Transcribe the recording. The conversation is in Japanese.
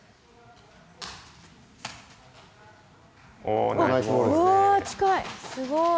うわ近い。